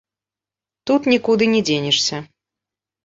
Тут нікуды не дзенешся.